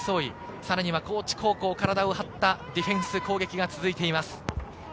さらに高知高校、体を張ったディフェンス、攻撃が続いています。